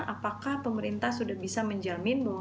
apakah pemerintah sudah bisa menjamin bahwa